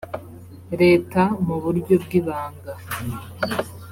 leta mu buryo bw ibanga